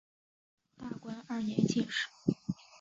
大观二年进士。